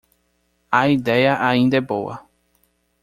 A ideia ainda é boa.